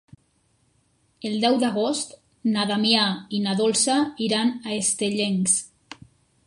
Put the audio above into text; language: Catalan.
El deu d'agost na Damià i na Dolça iran a Estellencs.